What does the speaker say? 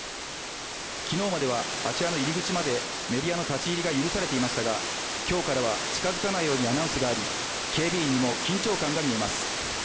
昨日まではあちらの入り口までメディアの立ち入りが許されていましたが今日からは近づかないようにアナウンスがあり警備員にも緊張感が見えます。